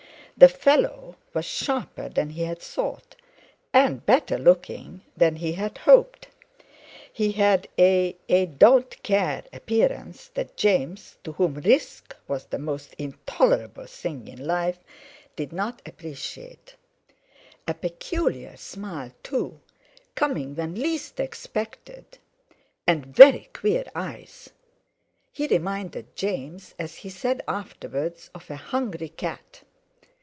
The fellow was sharper than he had thought, and better looking than he had hoped. He had a—a "don't care" appearance that James, to whom risk was the most intolerable thing in life, did not appreciate; a peculiar smile, too, coming when least expected; and very queer eyes. He reminded James, as he said afterwards, of a hungry cat.